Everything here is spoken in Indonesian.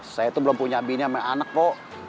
saya tuh belum punya bini sama anak po